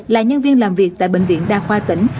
là nhân viên làm việc tại bệnh viện đa khoa tỉnh